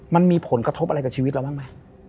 มันมีผลกระทบอะไรกับชีวิตเราบ้างไหม